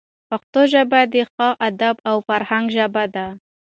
پښتو ژبه د ښه ادب او فرهنګ ژبه ده.